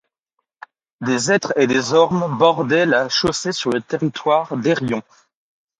Des hêtres et des ormes bordaient la chaussée sur le territoire d'Airion.